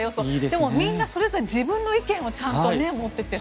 でもみんなそれぞれ自分の意見をちゃんと持っていて。